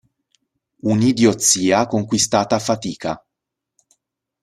Un'idiozia conquistata a fatica.